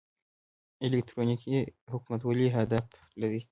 الکترونیکي حکومتولي هدف دی